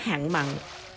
bài học sương máu